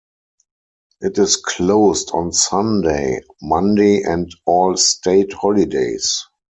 It is closed on Sunday, Monday and all state holidays.